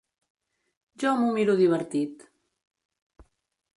Jo m'ho miro divertit.